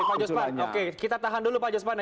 oke kita tahan dulu pak jospan